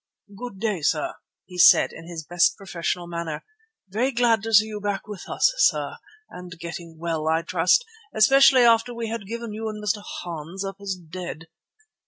"Good day, sir," he said in his best professional manner. "Very glad to see you back with us, sir, and getting well, I trust, especially after we had given you and Mr. Hans up as dead."